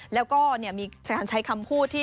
แล้วก็เนี่ยมีใช้คำพูดที่